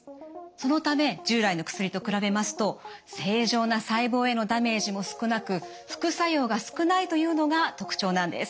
そのため従来の薬と比べますと正常な細胞へのダメージも少なく副作用が少ないというのが特徴なんです。